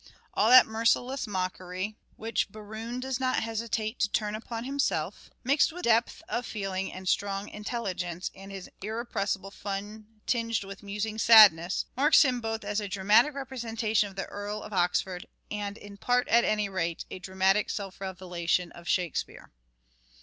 All that merciless mockery, wliich Berowne does not hesitate to turn upon himself, mixed with depth of feeling and strong intelligence, and his irrepressible fun tinged with " musing sadness," marks him both as a dramatic representation of the Earl of Oxford, and, in part at any rate, a dramatic self revelation of " Shakespeare."